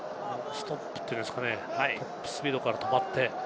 ストップっていうんですかね、トップスピードから止まって。